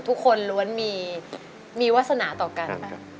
ทุกคนล้วนมีวาสนาต่อกันป่ะ